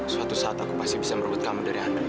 suatu saat aku pasti bisa merubah kamu dari andre